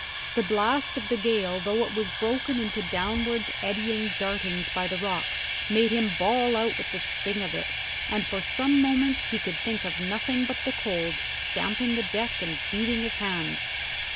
The blast of the gale though it was broken into downwards eddying dartings by the rocks, made him bawl out with the sting of it, and for some moments he could think of nothing but the cold, stamping the deck, and beating his hands.